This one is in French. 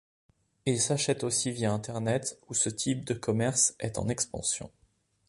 Ils s'achètent aussi via Internet où ce type de commerce est en expansion.